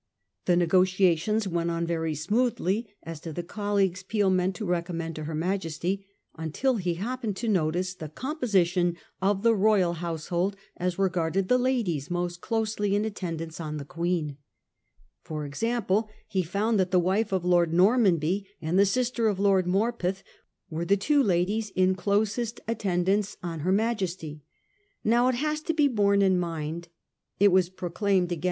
The negotiations went on very smoothly as to the colleagues Peel meant to re commend to her Majesty, until he happened to notice the composition of the royal household as regarded the ladies most closely in attendance on the Queen. For example, he found that the wife of Lord Nor manby and the sister of Lord Morpeth were the two ladies in closest attendance on her Majesty. Now it has to be borne in mind — it was proclaimed again 132 A HISTORY OF OUR OWN TIMES.